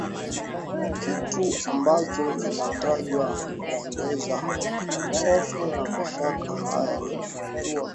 kitu ambacho kinatajwa kuongeza hofu na mashaka haya ni hatua ya baadhi ya wafuasi